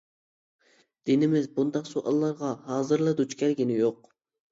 دىنىمىز بۇنداق سوئاللارغا ھازىرلا دۇچ كەلگىنى يوق.